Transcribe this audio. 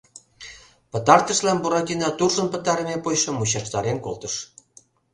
Пытартышлан Буратино туржын пытарыме почшым мучыштарен колтыш.